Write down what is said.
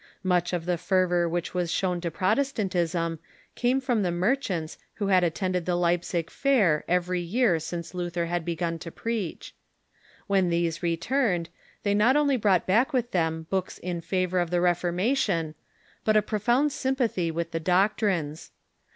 Much of the favor which was shown to Protestantism came from the merchants who had attended the Leipzig Fair every year since Luther had begun to preach. When these returned, they not only brought back with them books in favor of the Reforma tion, but a profound sympathy with the doctrines.